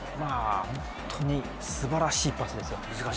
本当にすばらしいパスです。